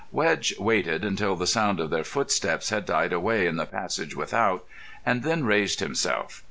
Wedge waited until the sound of their footsteps had died away in the passage without, and then raised himself.